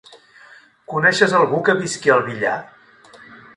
Coneixes algú que visqui al Villar?